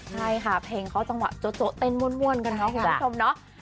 ใช่ค่ะเพลงเขาต้องเจาะเต้นมวลกันนะคุณผู้ชม